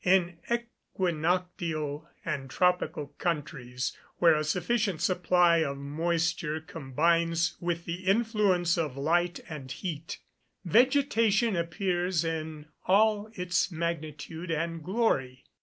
In equinoctial and tropical countries, where a sufficient supply of moisture combines with the influence of light and heat, vegetation appears in all its magnitude and glory.